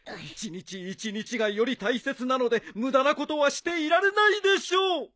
一日一日がより大切なので無駄なことはしていられないでしょう！